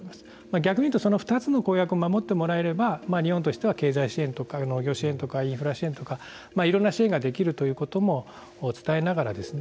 逆に言うとその２つの公約を守ってもらえれば日本としては経済支援とか農業支援とかインフラ支援とかいろんな支援ができるということも伝えながらですね